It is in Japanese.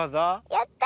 やった！